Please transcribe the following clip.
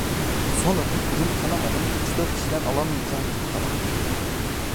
Sonra da burun kanamadan, üç dört kişiden alamayacağın bir para…